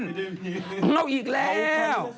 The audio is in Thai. ไม่ได้เพี้ยนเอาอีกแล้ว